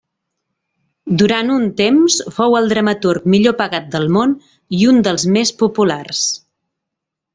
Durant un temps fou el dramaturg millor pagat del món i un dels més populars.